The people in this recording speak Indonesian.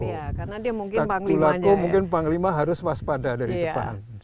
tadulako mungkin panglima harus waspada dari depan